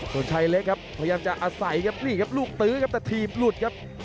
ส่วนชายเล็กครับพยายามจะอาศัยครับนี่ครับลูกตื้อครับแต่ถีบหลุดครับ